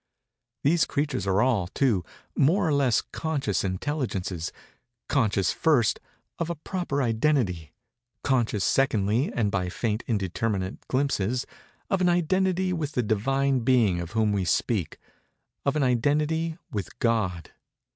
These creatures are all, too, more or less conscious Intelligences; conscious, first, of a proper identity; conscious, secondly and by faint indeterminate glimpses, of an identity with the Divine Being of whom we speak—of an identity with God.